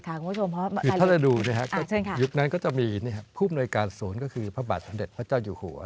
อ๋อถ้าจะดูยุคนั้นก็จะมีผู้บ่นนวยการศูนย์ก็คือพระบาทเฉพาะเจ้าอยู่หัว